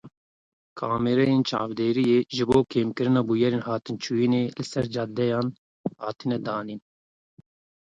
Kamîreyên çavdêriyê ji bo kêmkirina bûyerên hatinûçûnê li ser cadeyan hatine danîn.